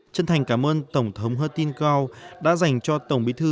chân thành cảm ơn tổng thống hertin keo đã dành cho tổng bí thư